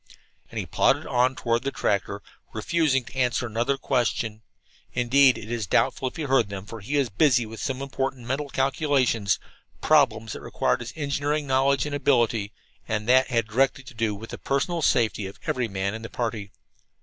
And he plodded on toward the tractor, refusing to answer another question. Indeed, it is doubtful if he heard them, for he was busy with some important mental calculations problems that required his engineering knowledge and ability, and that had directly to do with the personal safety of every man in the party.